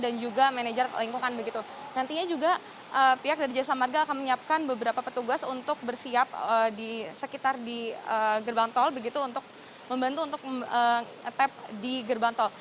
juga manajer lingkungan begitu nantinya juga pihak dari jasa marga akan menyiapkan beberapa petugas untuk bersiap di sekitar di gerbang tol begitu untuk membantu untuk mengep di gerbang tol